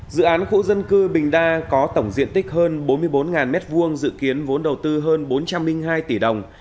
dự án khu dân cư bình đa có tổng diện tích hơn bốn mươi bốn m hai dự kiến vốn đầu tư hơn bốn trăm linh hai tỷ đồng